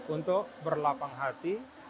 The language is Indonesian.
untuk berlapang hati